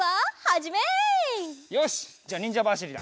じゃあにんじゃばしりだ。